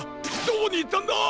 どこにいったんだ！